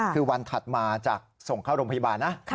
คือวันถัดมาจากส่งเข้าโรงพยาบาลนะ